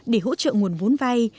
để hỗ trợ nguồn vốn vay